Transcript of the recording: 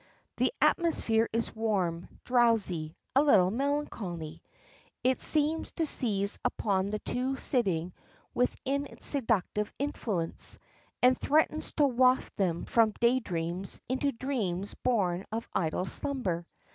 The atmosphere is warm, drowsy, a little melancholy. It seems to seize upon the two sitting within its seductive influence, and threatens to waft them from day dreams into dreams born of idle slumber.